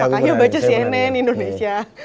apakahnya baca cnn indonesia